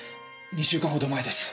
２週間ほど前です。